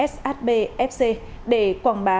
shb fc để quảng bá